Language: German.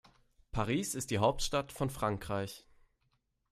Paris ist die Hauptstadt von Frankreich.